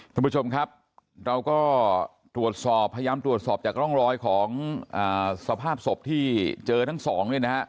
ท่านผู้ชมครับเราก็ตรวจสอบพยายามตรวจสอบจากร่องรอยของสภาพศพที่เจอทั้งสองเนี่ยนะฮะ